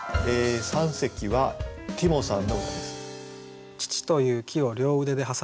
三席はてぃもさんの歌です。